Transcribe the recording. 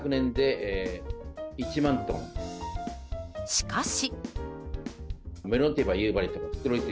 しかし。